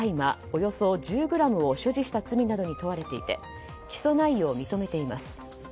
およそ１０ｇを所持した罪などに問われていて起訴内容を認めています。